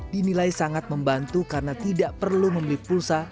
dinilai sangat membantu karena tidak perlu membeli pulsa